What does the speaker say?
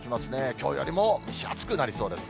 きょうよりも蒸し暑くなりそうです。